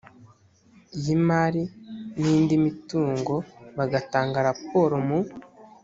y imari n indi mitungo bagatanga raporo mu